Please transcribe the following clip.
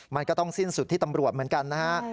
มันก็ต้องสิ้นสุดที่ตำรวจเหมือนกันนะฮะ